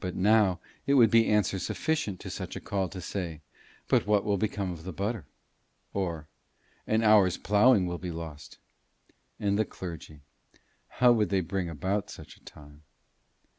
But now it would be answer sufficient to such a call to say, "But what will become of the butter?" or, "An hour's ploughing will be lost." And the clergy how would they bring about such a time?